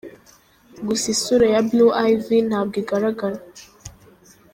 Gusa isura ya Blue Ivy ntabwo igaragara.